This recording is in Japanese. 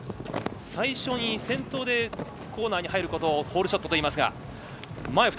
最初に先頭でコーナーに入ることをホールショットといいます。